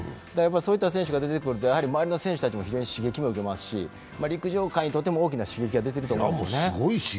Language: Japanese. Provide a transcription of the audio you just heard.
そういった選手が出てくると、周りの選手も非常に刺激を受けますし、陸上界にとっても大きな刺激が出てると思うんですね。